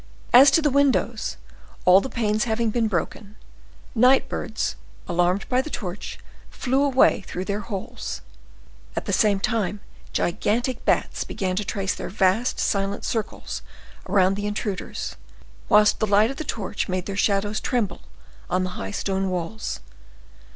As to the windows, all the panes having been broken, night birds, alarmed by the torch, flew away through their holes. At the same time, gigantic bats began to trace their vast, silent circles around the intruders, whilst the light of the torch made their shadows tremble on the high stone walls.